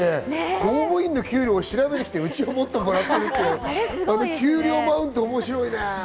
公務員の給料を調べるって、うちはもっともらってるって、給料マウント面白いね。